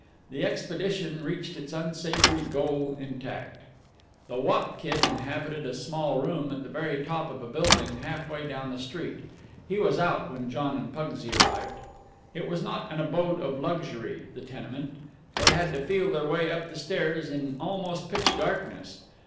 The expedition reached its unsavory goal intact. The wop kid inhabited a small room at the very top of a building half way down the street. He was out when John and Pugsy arrived. It was not an abode of luxury, the tenement; they had to feel their way up the stairs in almost pitch darkness.